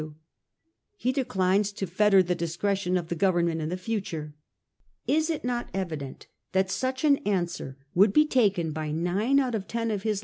CH. XTY. to. He declines to fetter the discretion of the Go vernment in the future. Is it not evident that such an answer would be taken by nine out of ten of his